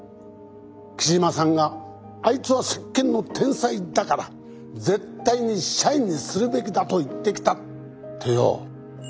木島さんが「あいつは石鹸の天才だから絶対に社員にするべきだ」と言ってきたってよ。